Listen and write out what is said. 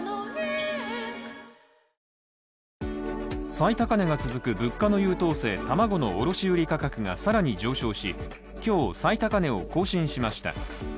最高値が続く物価の優等生、卵の卸売価格が更に上昇し今日、最高値を更新しました。